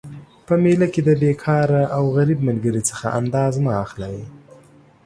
په میله کي د بیکاره او غریب ملګري څخه انداز مه اخلئ